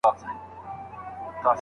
ايا زوی د پلار خبره اوري؟